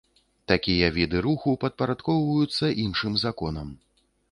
Такія віды руху падпарадкоўваюцца іншым законам.